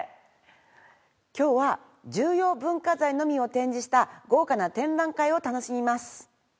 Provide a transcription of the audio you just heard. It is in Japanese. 今日は重要文化財のみを展示した豪華な展覧会を楽しみます。